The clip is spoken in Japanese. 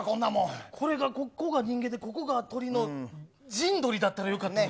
これが、ここが人間で、ここが鳥の人鳥だったらよかったのに。